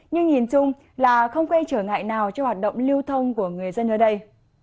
nhưng nhìn chung là không quay trở ngại nào cho hoạt động lưu thông của người dân ở đây